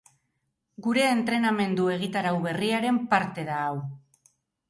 Gure entrenamendu-egitarau berriaren parte da hau.